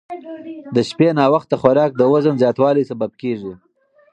د شپې ناوخته خوراک د وزن زیاتوالي سبب کېږي.